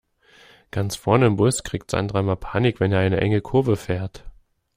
Ganz vorne im Bus kriegt Sandra immer Panik, wenn er eine enge Kurve fährt.